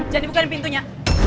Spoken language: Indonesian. jadi bukan pintunya